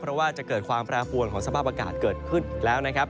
เพราะว่าจะเกิดความแปรปวนของสภาพอากาศเกิดขึ้นแล้วนะครับ